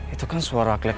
itu kan suara klek